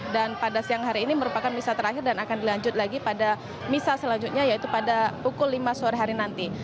dan pada siang hari ini merupakan misa terakhir dan akan dilanjut lagi pada misa selanjutnya yaitu pada pukul lima sore hari nanti